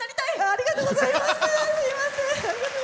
ありがとうございます！